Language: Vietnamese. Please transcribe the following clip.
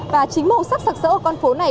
và chính màu sắc sạc sỡ ở con phố này